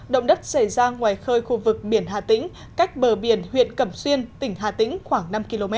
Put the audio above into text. động đất xảy ra ngoài khơi khu vực biển hà tĩnh cách bờ biển huyện cẩm xuyên tỉnh hà tĩnh khoảng năm km